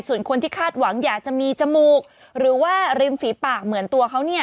ส่วนคนที่คาดหวังอยากจะมีจมูกหรือว่าริมฝีปากเหมือนตัวเขาเนี่ย